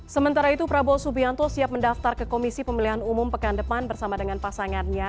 sementara itu prabowo subianto siap mendaftar ke komisi pemilihan umum pekan depan bersama dengan pasangannya